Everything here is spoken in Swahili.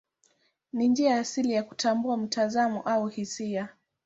Ni njia asili ya kutambua mtazamo au hisia.